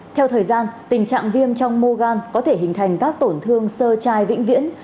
theo thời gian tình trạng viêm trong mô gan có thể hình thành các tổn thương sơ trai vĩnh viễn